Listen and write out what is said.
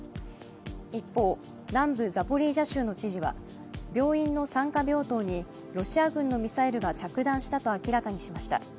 一方、南部ザポリージャ州の知事は病院の産科病棟にロシア軍のミサイルが着弾したと明らかにしました。